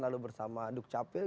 lalu bersama duk capil